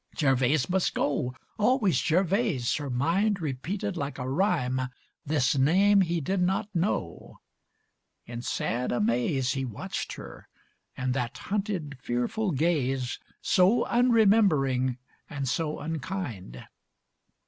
Gervase must go, always Gervase, her mind Repeated like a rhyme This name he did not know. In sad amaze He watched her, and that hunted, fearful gaze, So unremembering and so unkind.